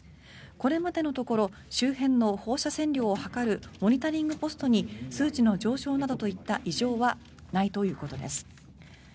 これまでのところ周辺の放射線量を測るモニタリングポストに数値の上昇などといった異常はないということです。